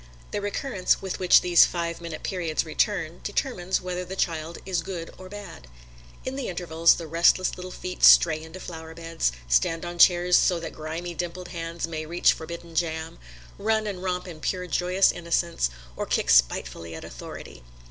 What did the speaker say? The recurrence with which these five minute periods return determines whether the child is "good" or "bad." In the intervals the restless little feet stray into flowerbeds; stand on chairs so that grimy, dimpled hands may reach forbidden jam; run and romp in pure joyous innocence, or kick spitefully at authority.